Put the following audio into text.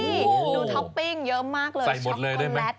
ดูท็อปปิ้งเยอะมากเลยใส่หมดเลยด้วยมั้ย